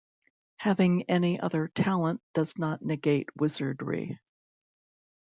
Having any other talent does not negate wizardry.